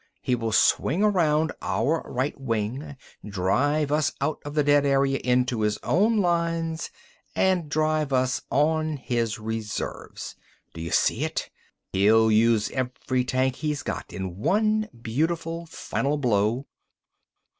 He will swing around our right wing, drive us out of the dead area into his own lines—and drive us on his reserves! Do you see it? He'll use every tank he's got in one beautiful final blow.